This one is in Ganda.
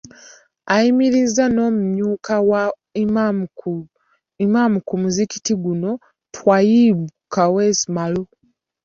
Ayimirizza n'omumyuka wa Imam ku muzikiti guno, Twaibu Kaweesi Maalo.